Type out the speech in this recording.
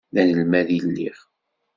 D anelmad i lliɣ.